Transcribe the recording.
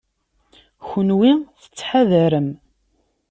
Kenwi tettḥadarem.